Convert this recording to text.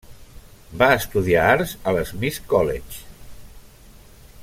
Va estudiar arts al Smith College.